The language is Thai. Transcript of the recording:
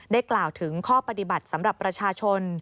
กล่าวถึงข้อปฏิบัติสำหรับประชาชน